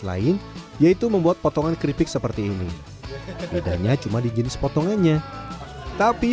lain yaitu membuat potongan keripik seperti ini bedanya cuma di jenis potongannya tapi